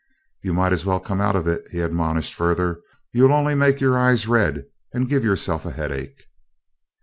"You might as well come out of it," he admonished further. "You'll only make your eyes red and give yourself a headache."